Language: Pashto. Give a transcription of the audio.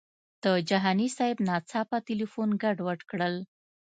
د جهاني صاحب ناڅاپه تیلفون ګډوډ کړل.